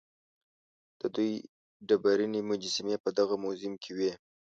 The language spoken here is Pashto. د دوی ډبرینې مجسمې په دغه موزیم کې وې.